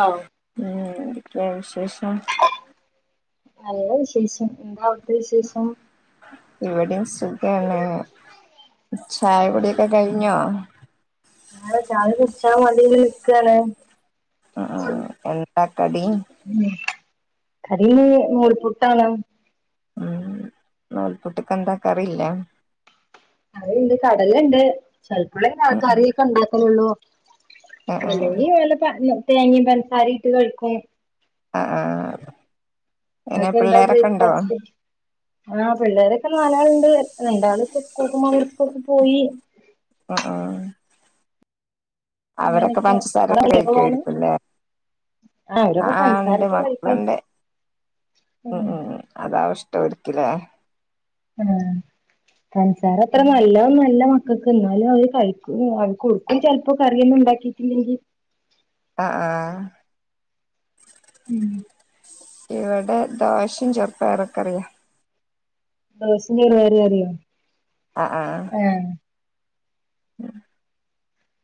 ആഹ് എന്താ വിശേഷം നല്ല വിശേഷം എന്താ അവിടുത്തെ വിശേഷം ഇവിടെ സുഖാണ് ചായ കുടിയൊക്കെ കഴിഞ്ഞോ ഞ ചായ കുടിചാൻ വേള്ളിയില് നിൽക്കയാണ് ആഹ്ഹ് എന്താ കടി കടി നൂൽപുട്ടാണ് ഉം നൂൽപുട്ടക്ക് എന്താ ക്കറിയില്ലേ കറിണ്ട് കടലുണ്ട് ചിലപ്പഴേ ഉം ഉം കറിയൊക്കെ ഉണ്ടാക്കലള്ളൂ ആഹ് ആഹ് അല്ലെങ്കി പോല തേങ്ങയും പഞ്ചസാരയിട്ട് കഴിക്കും ആഹ് ആഹ് എങ്ങനെ നിങ്ങക്ക് എന്ത പിള്ളേരൊക്കെ ഉണ്ടോ ബ്രേക്ഫാസ്റ്റ് ആഹ് പിള്ളേരൊക്കെ നാലാളുണ്ട് രണ്ടാള് പ്പം സ്കൂൾ മക്കെ പോയി ആഹ് ആഹ് അവരൊക്കെ അങ്ങനെയൊക്കെ പഞ്ചസാരട്ട് അവിടെ പോവാന് കഴിക്കുവായിരിക്കല്ലേ അവരൊക്കെ ആഹ് ഉണ്ട് പഞ്ചസാരയിട്ട് കഴിക്കും മക്കളുണ്ട് ഉം ഉം അതാവഷ ട്ടോ എടുക്കില്ലേ ആഹ് പഞ്ചസാര അത്ര നല്ല ഒന്നുല്ല മ ക്കക്ക് എന്നാലും അവര് കഴിക്കും കൊടുക്ക ചിലപ്പോ കറിയൊന്നും ഉണ്ടാക്കിട്ടില്ലെങ്കിൽ ആഹ് ആഹ് ഉം ഇവിടെ ദോശയും ചെറുപ്പായറ്ക്കെറിയും ദോസയും ചെറുപയറു കറിയൊ ആഹ് ആഹ്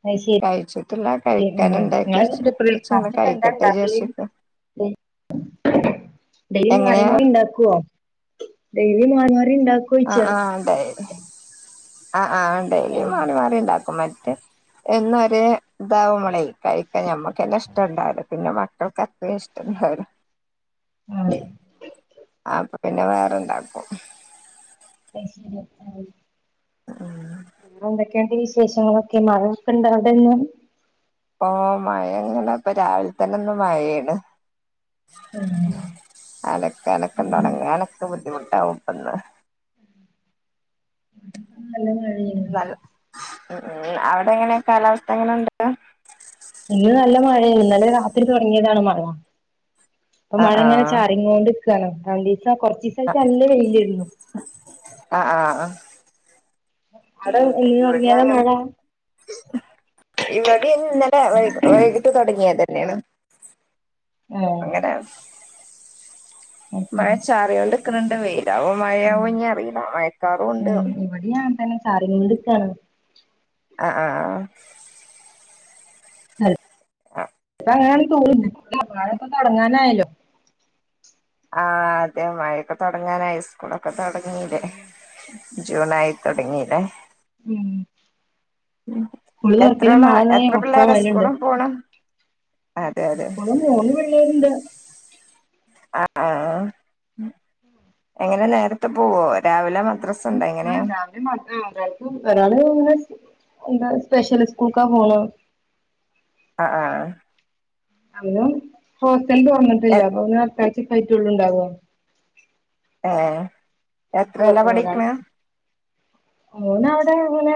അത് ശരി കഴിച്ചിട്ടില്ല കഴിക്കാന് ആഹ് നിങ്ങള് ഉണ്ടാക്കിവെച്ച് കഴിക്കട്ടെ വിചാരിചിക്ക ഉം എങ്ങനെയാ [unintelligible] ആഹ് ആഹ് ഡെയ്ലി ണ്ടാക്കോഴിച ആഹ് ആഹ് ഡേയ്ലി മാറി മാറി ഉണ്ടാക്കും മറ്റേ എന്നൊരു ഇതാവപ്പളെ കഴിക്കാ ഞമ്മക്ക്ന്നെ ഇഷ്ടുണ്ടാവല്ലാ പിന്നെ മക്കൾക്ക്ത്ര ഇഷ്ടണ്ടാവില്ല ആഹ് അപ്പൊ പിന്നെ വേറെണ്ടാക്കും [unintelligible] ആഹ് എന്തൊക്കെയണ്ട് വിശേഷങ്ങളൊക്കെ മഴൊക്കെ ഇണ്ടോ അവിടെന്ന് ഇപ്പ മഴ ഇങ്ങനെ ഇപ്പ രാവിലെ തന്നെ ഒന്ന് മഴയാണ് ആഹ് അലക്കെ അലക്ക ഇന്ന് തുടങ്ങനൊക്കെ ബുദ്ധിമു ട്ടാകും അന്ന് [unintelligible] നല്ല മഴയാണ് നല്ല ഉം ഉം അവിടെ എങ്ങനെ കാലാവസ്ഥ എങ്ങനെണ്ട് ഇന്ന് നല്ല മഴയാ ഇന്നലെ രാത്രി തുടങ്ങിയതാണ് മഴ ഇപ്പൊ ആഹ് മഴ ഇങ്ങനെ ആഹ് ചാറി കോണ്ട്ക്കാണ് ആ കൊർച്ചീസായിട്ട് നല്ല വെയിലേർന്നു ആഹ് ആഹ് അവിടെ ഉം എന്ന് തൊടങ്ങിയതാ മഴ ഇവടിം ഇന്നലെ വൈകിട്ട് തുടങ്ങിയത് ഏഹ് അങ്ങനെ അത് ശരി മഴച്ചാറിയോണ്ട്ക്ക്ണ്ണ്ട് വെയിലാവോ ഉം മഴയാവോ ഇനി അറിയില്ല മഴക്കാറൂണ്ട് ചാറിക്കോണ്ട്ക്കാണോ ആ ആ [unintelligible] അങ്ങനാണ് തോന്ന [unintelligible] മഴയൊക്കെ തൊടങ്ങാനായല്ലോ ആഹ് അതെ മഴയൊക്കെ തുടങ്ങാനായി സ്കൂളൊക്കെ തൊടങ്ങീല്ലേ ജൂണായി തുടങ്ങീല്ലേ മ് സ്കൂള് തൊറക്കലും എത്രോളാ മഴ ദേ എത്ര ഒക്കെ പിള്ളേരാ സ്കൂള് പോണ് അതെ അതെ ഇപ്പളും മൂന്ന് പിള്ളേരുണ്ട് ആ ആഹാ എങ്ങനെ നേരത്തെ പോവോ രാവിലെ മക്ക ഹേ രാത്രി മടിയാവും [unintelligible] ഒരാള് ഇങ്ങെ എന്താ സ്പെഷ്യൽ സ്കൂൾക്കാ പോണ് ആ ആ അവന് ഹോസ്റ്റൽന്ന് എ വന്നിട്ടില്ല ഇൻക് തോന്നണത് അടുത്താഴ്ച്ചായിട്ട് ഉണ്ടാവുള്ളു ഏ ഏ എത്രയിലാ പഠിക്ക്ണ് ഓന അവിടെ അങ്ങനെ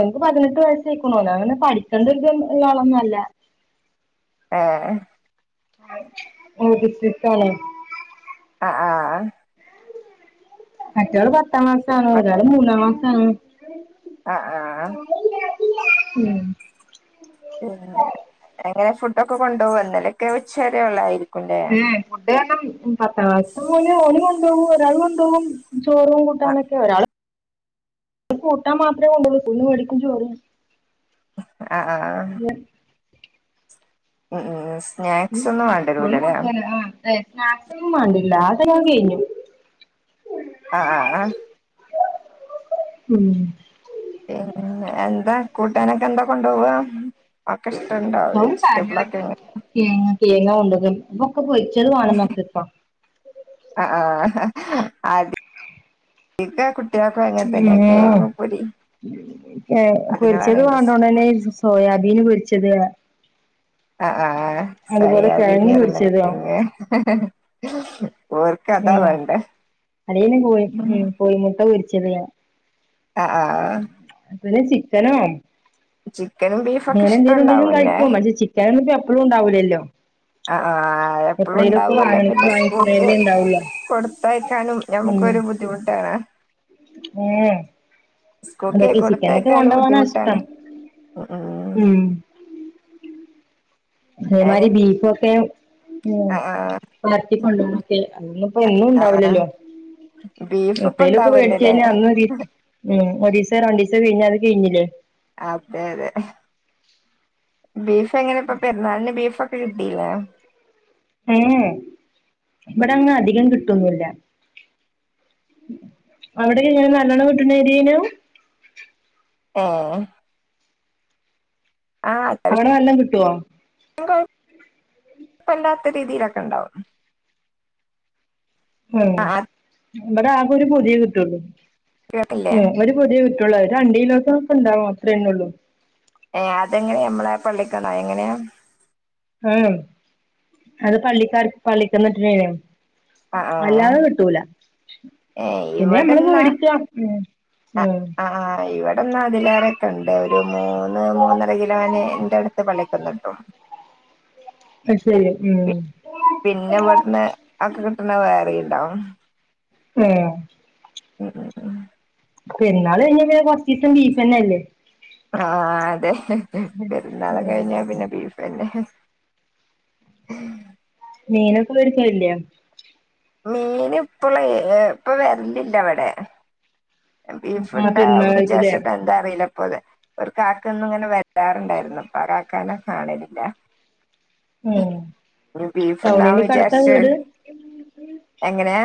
ഓൻക്ക് പതിനെട്ട് വയസ്സ് ആയിക്ക്ണു ഓന അങ്ങനെ പഠിക്കെണ്ടൊരിതില്ല ആളൊന്നല്ല ഏ [unintelligible] ആ ആ മറ്റാള് പത്താം ക്ലാസ്സ് ആണ് ഒരാള് മൂന്നാം ക്ലാസ്സ് ആണ് ആ ആ മ് പിന്നെ എങ്ങനെ ഫുഡൊക്കെ കൊണ്ടുപോവല്ലെ അല്ലെങ്കിൽ ഉച്ചവരെ ഉള്ളായിരിക്കും ആ ഫുഡ് പത്താം ക്ലാസ്തെ മോന് ഓന് കൊണ്ടോകും ഒരാള് കൊണ്ടോകും ചോറും കൂട്ടാന്നൊക്കെ ഒരാള് കൂട്ടാൻ മാത്രേ കൊണ്ടുപോവൂ സ്കൂളീന്ന് മേടിക്കും ചോറ് ആ ആ മ് മ് [unintelligible] ആ അതെ [unintelligible] ആ ടൈം കഴിഞ്ഞു ആഹ് ആഹ് മ് പിന്നെ എന്താ കൂട്ടാനൊക്കെ എന്താ കൊണ്ടോവാ ഇഷ്ടണ്ടോ വെജിറ്റബിളൊക്കെ തേങ്ങ കൊണ്ടതു ഒക്കെ പൊരിച്ചത് വാണം മക്കക് ആടീത [unintelligible] കുട്ടിൾക്കും അങ്ങനെ തന്നെ കേങ്ങ്പ്പൊരി ആ പൊരിച്ചത് [unintelligible] സോയാബീൻ പൊരിച്ചത് ആ ആഹ് അതുപോലെ കിഴങ്ങ് സോയാബീനാണ് ല്ലെ പൊരിച്ചതോ പിന്നെ മ് [unintelligible] കോഴി മ് കോഴിമുട്ട പൊരിച്ചത് ആ ആ പിന്നെ ചിക്കനോ ചിക്കനും ബീഫൊക്കെ അങ്ങനെ എന്തേലും ഉണ്ടെങ്കിലും ഇഷ്ടണ്ടാവുംല്ലേ കഴിക്കും പക്ഷേ ചിക്കനൊന്നും എപ്പ എപ്പളും ഉണ്ടാവൂലല്ലോ ആ ആ എപ്പളും എപ്പളേലൊക്കെ ഉണ്ടാവൂല വാങ്ങി പിന്നെ സ്കൂൾക്ക് വാങ്ങിക്കണേല്ലേ ഉണ്ടാവുള്ളൂ കൊടുത്തയക്കാനും ഞമ്മുക്കൊരു ബുദ്ധിമുട്ടാണ് ഏ സ്‌കൂളുകൈ കൊടുത്തായിക്കാനും ബുദ്ധിമുട്ടാണ് ഇഷ്ടം ഉ ഉം അയിന് അദേമാരി ബീഫൊക്കെ ഉ ആഹ് ആഹ് മാറ്റി കൊണ്ടന്നൊക്കെ അയിനിപ്പോ എന്നും ആഹ് ആഹ് ഇണ്ടാവില്ലല്ലോ ബീഫ് ഇപ്പ ന്തെലുവൊക്കെ മേടിച്ചു ഇണ്ടാവല്ലോല്ലേ കഴിഞ്ഞാ അന്ന് ഒരീസോ രണ്ടീസോ കഴിഞ്ഞാലത് കഴിഞ്ഞില്ലേ അതെ അതെ ബീഫ് എങ്ങനെ ഇപ്പൊ പെരുന്നാളിന് ബിഫോ കിട്ടീലെ അയിന് ഇവിടെങ്ങ് അധികം കിട്ടുവൊന്നുല്ലാ അവിടെ എങ്ങെനെ നല്ലോണം കിട്ടുന്നറിയയിനു ആ അവിടെ നല്ലെ കിട്ടുവോ ഇപ്പല്ലാത്ത രീതിയിലൊക്കെയിണ്ടാകും ഉം ആഹ് ഇവിടെ ആക ഒരു പൊതിയേ കിട്ടുള്ളൂ കേട്ടില്ലേ ഉം ഒരു പൊതിയേ കിട്ടൂ ത് രണ്ടീലൊക്കെടുത്തെ ഉണ്ടാവും അത്രന്നെ ഉള്ളു ഏ അതെങ്ങനെയാ നമ്മളെ പള്ളിക്കാണോ എങ്ങനെയാ ആ അത് പള്ളിക്കാർക്ക് പള്ളിക്കിന്ന് കിട്ടണേനും ആഹ് ആഹ് അല്ലാതെ കിട്ടൂല പിന്നെ നമ്മള് മേടിക്കണം ആ ആ ഇവിടെന്നാ അതിലേറെയൊക്കെയിണ്ട് മൂന്ന് മൂന്നര കിലോന് എന്റെ അടുത്ത് പള്ളിക്കിന്ന് കിട്ടും അത് ശരി ഉം പിന്നെ പെട്ടന്ന് ഒക്കെ കിട്ടണ വേറെയുണ്ടാകും ഏഹ് ഉം ഉം ഉം പെരന്നാള് കഴിഞ്ഞ പിന്നെ കൊറച്ചീസം ബീഫെന്നെയല്ലേ ആഹ അതെ പെരുന്നാള് ഉം കഴിഞ്ഞ പിന്നെ ബീഫാ പിന്നെ മീനൊക്കെ വേടിക്കായില്ലേ മീൻ ഇപ്പുള്ള ഏ ഇപ്പൊ വെരലില്ലവിടെ ആ ബീഫ്ണ്ടാവും പെരുന്നാളായിട്ടില്ലേ വിചാരിച്ചിട്ട് എന്താ അറിയില്ല അപ്പോതെ ഒരു കാക്കയെന്നും ഇങ്ങനെ വരാറുണ്ടായിരുന്നു ഇപ്പാ കാക്കേനെ കാണലില്ല ഉം ബീഫുണ്ടാവും ടൗണിന്റെക്കെ അടുത്താ വിചാരിച്ചു വീട് എങ്ങനെയാ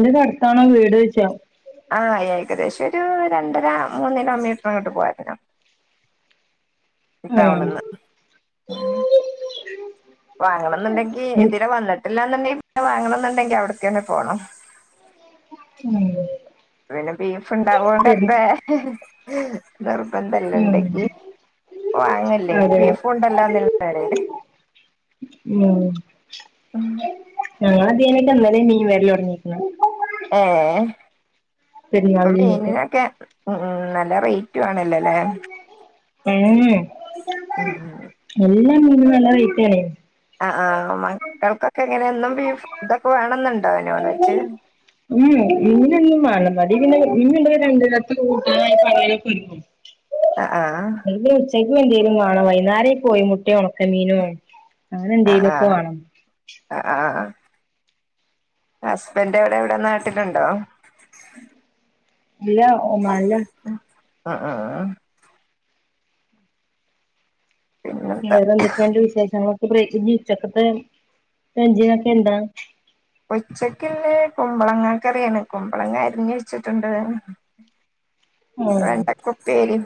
ന്റെ അടുത്താണോ വീട് വെച്ചേ ആഹ ഏകദേശം ഒരു രണ്ടര മൂന്ന് കിലോമീറ്ററങ്ങോട്ട്‌ പോവായിരുന്നു ഉം ടൗണിന്നു വാങ്ങണംന്നുണ്ടെങ്കി എതിരെ വന്നിട്ട് എല്ലാം തന്നെ വാങ്ങണംന്നുണ്ടെങ്കി അവിടെത്തന്നെ പോണം ഉം പിന്നെ ബീഫ് ശരി ഉണ്ടാവോണ്ടപ്പേ ഉം നിർബന്ധംണ്ടെങ്കി വാങ്ങല്ലെ അതെ ബീഫും കൊണ്ടല്ലാം വരണ്ടേ ഉം ഉം ഞങ്ങള് അതായിഞ്ഞിട്ട് അന്നേ മീൻ വരൽ തൊടങ്ങീരിക്കുന്നു ഏ ഇപ്പൊ പെരുന്നാള് കഴിഞ്ഞിട്ട് മീനിനൊക്കെ ഉ നല്ല റേ വാണല്ലോല്ലേ ഉ എല്ലാം മീനും നല്ല റെയിറ്റായി ആ ആ മക്കൾക്കൊക്കെ എങ്ങനെയെന്നും ഇതൊക്കെ വേണെന്നുണ്ടോ അയിനൊന്നിച്ചു [unintelligible] ആ ആ ആ എന്തേങ്കലും കാണാം വൈകുന്നേരമായിപ്പോയ മുട്ട ഉണക്ക മീനും അങ്ങനെ ആ ആ എന്തേലുമൊക്കെ വാണം ആ ആ ഹസ്ബൻഡ് എവിടെ വിടെ നാട്ടിലുണ്ടോ ഇല്ല ഓമാ നിലാണ് ഉം ഉം പിന്നെന്താ വെറെ എന്തെക്കെണ്ട് വിശേഷങ്ങള് [unintelligible] ഉച്ചയ്ക്ക് ഉം വെണ്ടക്കൊപ്പിരി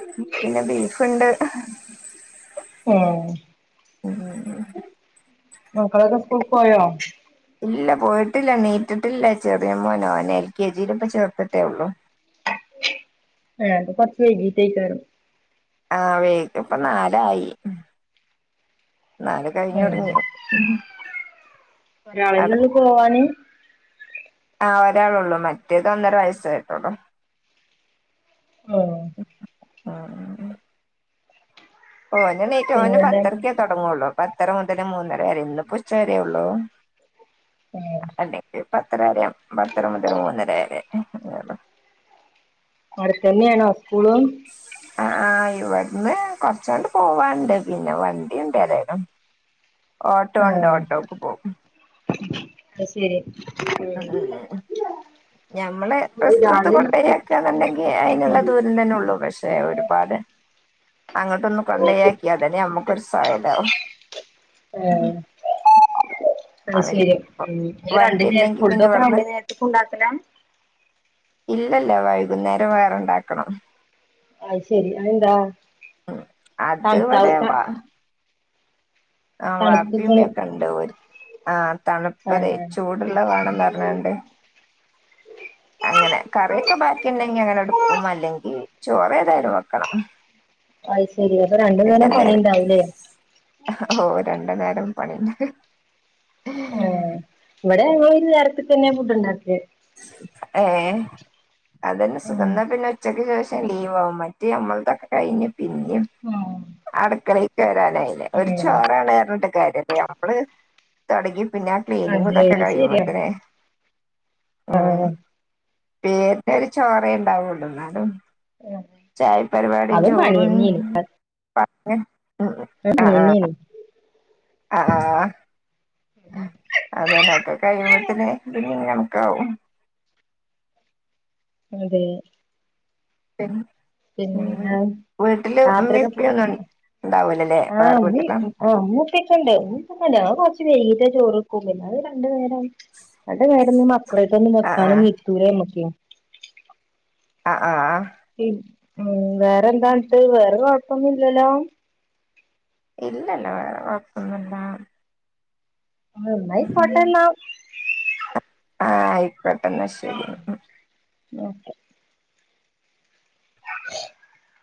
പിന്നെ ബീഫുണ്ട് ഉം ഉ ഉ മക്കളൊക്കെ സ്കൂൾ പോയോ ഇല്ല പോയിട്ടില്ല നീട്ടിട്ടില്ല ചെറിയ മോനോ നെ എൽ കെ ജിയില ഇപ്പ ചേർത്തിട്ടേ ഒള്ളു ഞങ്ങളത് കുറച്ച് വൈകിട്ടായിരിക്കാരിം ആ വേക്ക് ഇപ്പ നാലായി എന്നലുംകഴിഞ്ഞ ഉം ടങ്ങിയ ഒരാളൊന്നൊള്ളൊപോവാാന് ആ ഒരാളള്ളൂ മറ്റേത് ഒന്നര വയസായിട്ടള്ളൂ ആഹ ഉഹ ഉ ഓനെ നെയറ്റ് ഓന് പിന്നെന്താ പത്തരക്കേ തുടങ്ങുള്ളൂ പത്തര മുതല് മൂന്നര വരെ ഇന്ന് പു ഉച്ച വരേ ഉള്ളൂ ആഹ പത്തരരയാ പത്തര മുതരു മൂന്നര വരെ അവിടെ തന്നെയാണോ ആ ആ ഇപടെ ഇന്ന് കൊറച്ചോണ്ട് പോവാനുണ്ട് പിന്നെ വണ്ടിുണ്ട ഏതായാലും ഓട്ടോ ഉണ്ട് ഓട്ടോക്ക് പോകും അ ശരി ഉം ഉം ഉ ഞമ്മള് റിസ്ക്ക് ട്ത്ത് ഒരാള് ഉം കൊണ്ടരിയാക്കന്നുണ്ടെങ്കി അതിനുള്ള അതെ ദൂരം തന്നെ ഉള്ളൂ പക്ഷെ ഒരുപാട് അങ്ങോട്ടൊന്ന് കൊണ്ടയാക്കി അതെന്നെ നമ്മുക്കൊരു സ്വയ താവും അ ശരി ഉ രണ്ട വണ്ടി നേര ഉണ്ടെങ്കി പിന്നെ ഫുൊക്കെ [unintelligible] രണ്ട ഇവിടുന്ന് നേരത്തേക്ക ഉണ്ടാക്കല ഇല്ലല്ല വൈകുന്നേരം വേറെണ്ടാക്കണം അ യ്ശരി അയ് ന്താ ഉം അത് വിടെ വ ആ വാപ്പിം ഇമ്മിം തണുപ്പിക്കണ് ഒക്കെ ഉണ്ട് ഇവി ആ തണുപ്പതേ ആഹ് ചൂടുള്ള വേണന്ന് റിഞ്ഞാ ണ്ട് അങ്ങനെ കറിയൊക്കെ ബാക്കി ഉണ്ടെങ്കി അങ്ങനെ എടുക്കും അല്ലെങ്കിൽ ചോറ് ഏതായാലും വെക്കണം അത് ശരി അപ്പൊ രണ്ടു പിന്നെ നേരം പണി എന്തെങ്കിലും യുണ്ടാവില്ലേ ഓ രണ്ടു നേരം പണി െന്ന ആഹ് ഇവിടെ ഒരു നേരത്തി തന്നെ ഫുഡ്ുണ്ടാക്ക ഏ അതന്നെ സുഖ ഉം എന്നാ പിന്നെ ഉച്ചക്ക് ശേഷം ലീവ് ആവും മറ്റെത് നമ്മളെ തൊക്കെ കഴിഞ്ഞിട് പിന്നെം ഉം അടുക്കളെക്ക് രാൻ ഒരു ഉം ചോറാണ് റിഞ്ഞിട്ട് കാര്യല്ലേ നമ്മള് തുടങ്ങി പിന്നെ ആ അതെ ക്ലീനിംഗുഇതൊക്കെ കഴിയും മ്പോത്തിന് ആഹ പേനിനൊരു ചോറെ ഉണ്ടാവണ്ടൂ എന്നാലും ചായപരിവാടി അതും പണി ചോറും ആഹ അങ്ങനെനി ആഹ അതെലൊക്കെ കഴിയുമ്പോത്തനേ പിന്ന നമുക്ക ആാവും അതെ ഉ പിന്നെന്താ ഉമ്മീം രാത്രിയക്കെ പോ ഇപ്പീം ഒന്നും ഉണ്ടാവൂലല്ലേ ആഹ് വേറെ [unintelligible] ഉമ്മി വീട്ടില് ഉപ്പാക്കൊണ്ട് വൈകിട്ടു ചോറ്ക്കും പിന്നെ അത് രണ്ടു നേരം രണ്ട് നേരം അവിടെ തന്നെ ആ വെക്കാനും നീത്തൂരേ മ്മക്ക്‌ അ ആ ഉ വേറെ എന്താണിട്ട് വേറെ കൊഴപ്പൊന്നും ഇല്ലല്ലോ ഇല്ലല്ല വേറെ കൊഴപ്പന്നുംല്ല നന്നായി പോട്ടേ ന്നാ ആഹ് ആയിക്കോട്ടെ എന്നാ ശെരി ഓക്കെ [inaudible]